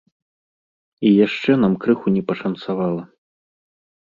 І яшчэ нам крыху не пашанцавала.